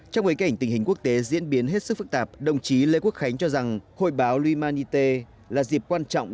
trong bối cảnh tình hình quốc tế diễn biến hết sức phức tạp đồng chí lê quốc khánh cho rằng hội báo luy man y tê là dịp quan trọng